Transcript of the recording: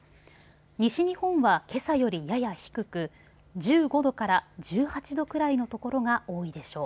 西日本は、けさよりやや低く１５度から１８度ぐらいの所が多いでしょう。